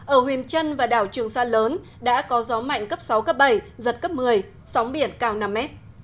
ở huyền trân và đảo trường sa lớn đã có gió mạnh cấp sáu cấp bảy giật cấp một mươi sóng biển cao năm m